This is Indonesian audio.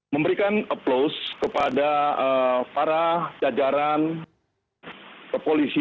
memberikan aplaus kepada para jajaran kepolisian